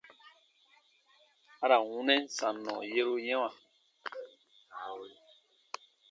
A ra n wunɛn sannɔ yeru yɛ̃wa.